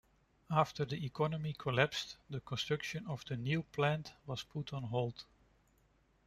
After the economy collapsed the construction of the new plant was put on hold.